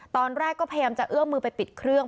ตอนแรกก็พยายามจะเอื้อมมือไปปิดเครื่อง